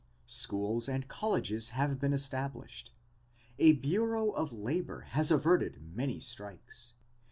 Schools and colleges have been established. A bureau of labor has averted many strikes.